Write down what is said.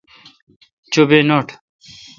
چو بی نوٹ۔